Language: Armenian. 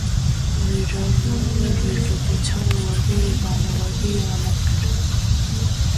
Ներառնում է վերլուծության ուղղակի և անուղղակի եղանակներ։